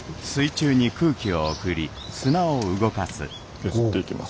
削っていきます。